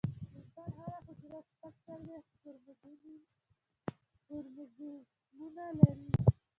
د انسان هره حجره شپږ څلوېښت کروموزومونه لري